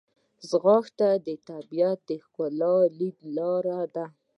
ځغاسته د طبیعت ښکلا لیدو لاره ده